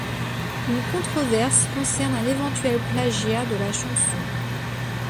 Une controverse concerne un éventuel plagiat de la chanson.